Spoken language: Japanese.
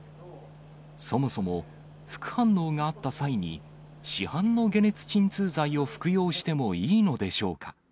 そもそも副反応があった際に、市販の解熱鎮痛剤を服用してもいいのでしょうか。